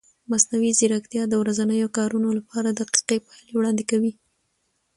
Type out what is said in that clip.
مصنوعي ځیرکتیا د ورځنیو کارونو لپاره دقیقې پایلې وړاندې کوي.